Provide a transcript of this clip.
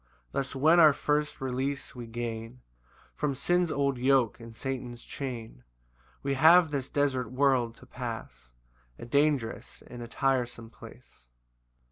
6 Thus when our first release we gain From sin's old yoke, and Satan's chain, We have this desert world to pass, A dangerous and a tiresome place.